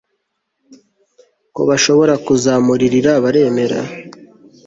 ko bashobora kuzamuririra baremera